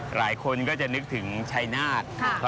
หลายคนก็จะนึกถึงชัยนาธ